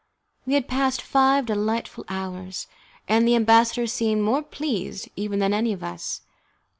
We had passed five delightful hours, and the ambassador seemed more pleased even than any of us.